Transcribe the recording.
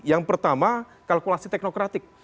yang pertama kalkulasi teknokratik